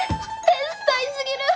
天才すぎる！